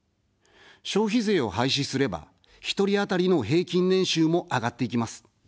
消費税を廃止すれば、１人当たりの平均年収も上がっていきます。